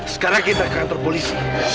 sekarang kita ke kantor polisi